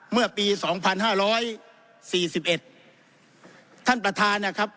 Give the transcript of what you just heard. เมื่อปีสองพันห้าร้อยสี่สิบเอ็ดท่านประธานนะครับ